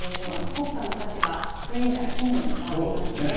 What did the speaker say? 国歌の歌詞はクイーンからキングに変わっていましたね。